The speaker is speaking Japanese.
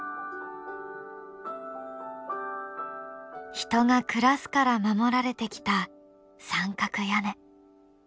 人が暮らすから守られてきた三角屋根。